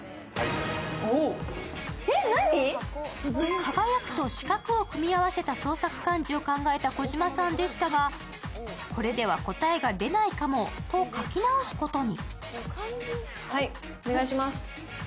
輝と四角を組み合わせた児嶋さんでしたが、これでは答えが出ないかも、と書き直すことに。